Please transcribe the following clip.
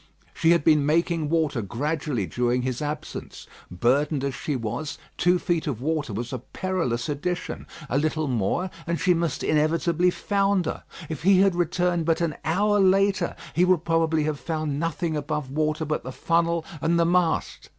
She had been making water gradually during his absence. Burdened as she was, two feet of water was a perilous addition. A little more, and she must inevitably founder. If he had returned but an hour later, he would probably have found nothing above water but the funnel and the mast.